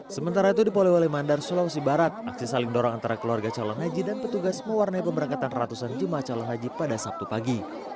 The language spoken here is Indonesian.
sementara itu di polewale mandar sulawesi barat aksi saling dorong antara keluarga calon haji dan petugas mewarnai pemberangkatan ratusan jemaah calon haji pada sabtu pagi